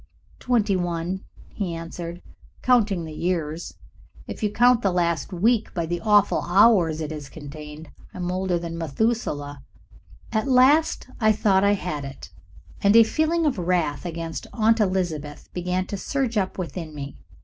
"Twenty one," he answered, "counting the years. If you count the last week by the awful hours it has contained I am older than Methuselah." At last I thought I had it, and a feeling of wrath against Aunt Elizabeth began to surge up within me.